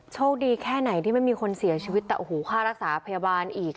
โชคดีแค่ไหนที่ไม่มีคนเสียชีวิตแต่โอ้โหค่ารักษาพยาบาลอีก